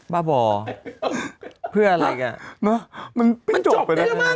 บ้าบ่อเพื่ออะไรกันมันจบได้แล้วมั้ง